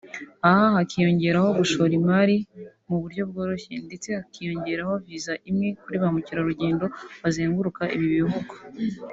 Aha hakiyongeraho gushora imali mu buryo bworoshye ndetse no gukoresha Visa imwe kur ba mukererugendo bazenguruka ibi bihugu